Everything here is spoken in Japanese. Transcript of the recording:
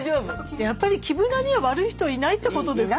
やっぱり木村には悪い人はいないってことですかね。